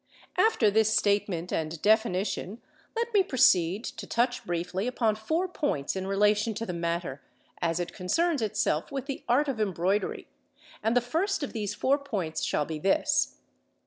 After this statement and definition let me proceed to touch briefly upon four points in relation to the matter, as it concerns itself with the art of Embroidery; and the first of these four points shall be this.